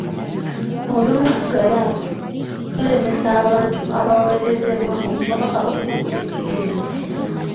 Olumu bugayaavu bulemesa bantu abaweerezebwa obubaka okubutegeera.